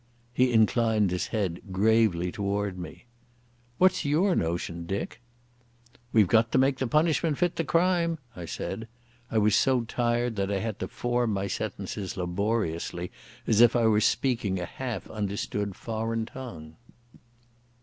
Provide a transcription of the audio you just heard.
He inclined his head gravely towards me. "What's your notion, Dick?" "We've got to make the punishment fit the crime," I said. I was so tired that I had to form my sentences laboriously, as if I were speaking a half understood foreign tongue.